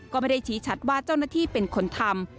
ก็ไม่ได้ชี้ชัดว่าเจ้าหน้าที่เป็นคนทำ